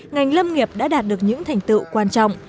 ngành lâm nghiệp đã đạt được những thành tựu quan trọng